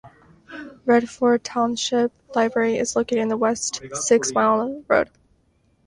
Redford Township Library is located on West Six Mile Road.